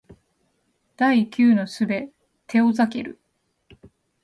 第九の術テオザケル